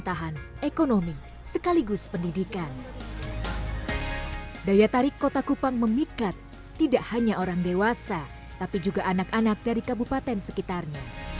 tuhan yesus supaya kami jadi anak yang diinginkan